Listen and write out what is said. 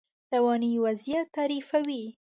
رواني وضعیت تعریفوي.